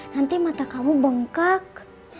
nanti mata kamu bengkak